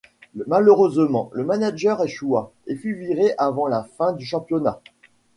Malheureusement, le manager échoua et fut viré avant la fin du championnat.